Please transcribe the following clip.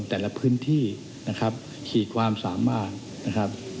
แต่ละพื้นที่นะครับขีดความสามารถนะครับ